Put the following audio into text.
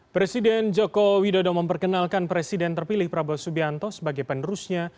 presiden joko widodo memperkenalkan presiden terpilih prabowo subianto sebagai penerusnya